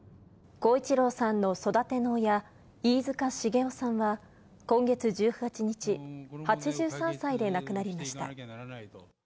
耕一郎さんの育ての親、飯塚繁雄さんは、今月１８日、８３歳で亡くなりました。